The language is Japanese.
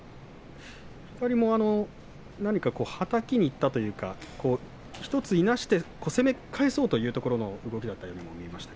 何度かはたきにきたというか１つ、いなして攻め返そうというところの動きのように見えました。